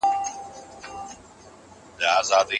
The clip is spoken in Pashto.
تاسو به له خپلو غوسو سره مقابله کوئ.